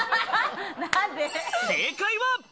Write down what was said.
正解は。